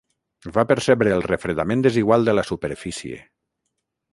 Va percebre el refredament desigual de la superfície.